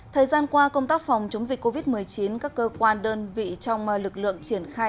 thời gian qua công tác phòng chống dịch covid một mươi chín các cơ quan đơn vị trong lực lượng triển khai